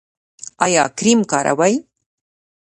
ایا کریم کاروئ؟